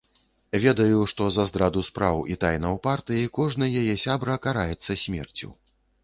Ведаю, што за здраду спраў і тайнаў партыі кожны яе сябра караецца смерцю.